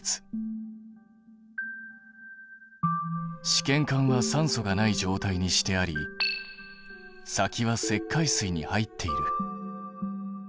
試験管は酸素がない状態にしてあり先は石灰水に入っている。